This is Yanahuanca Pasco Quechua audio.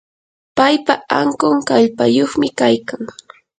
paypa ankun kallpayuqmi kaykan.